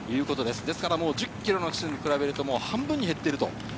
１０ｋｍの地点と比べると半分に減っている。